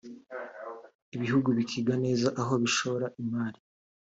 ibihugu bikiga neza aho bishora imari